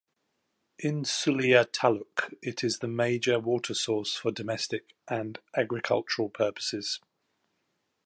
In Sullia taluk, it is the major water source for domestic and agricultural purposes.